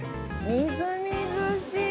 みずみずしい。